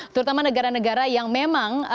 terutama negara negara yang memang